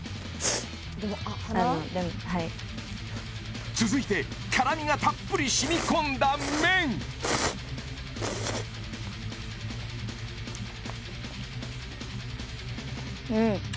あのでもはい続いて辛みがたっぷり染みこんだ麺うん